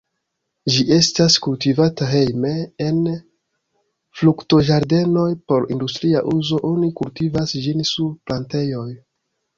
Ĝi estas kultivata hejme, en fruktoĝardenoj, por industria uzo oni kultivas ĝin sur plantejoj.